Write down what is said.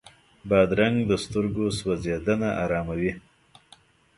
بادرنګ د سترګو سوځېدنه اراموي.